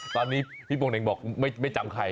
ตอนนี้พี่โป่งเน่งบอกไม่จำใคร